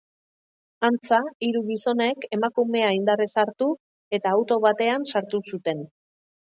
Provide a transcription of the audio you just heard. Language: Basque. Antza, hiru gizonek emakumea indarrez hartu eta auto batean sartu zuten.